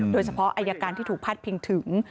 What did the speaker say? โดยเฉพาะอายการที่ถูกพาดพิงถึง